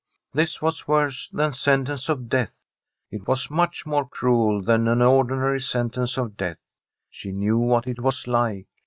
This was worse than sentence of death. It was much more cruel than an ordinary sentence of death. She knew what it was like.